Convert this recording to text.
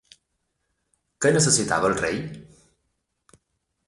Què necessitava el rei?